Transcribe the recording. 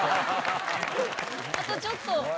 あとちょっと。